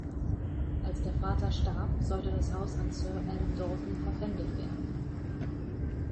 Als der Vater starb, sollte das Haus an Sir Adam Dalton verpfändet werden.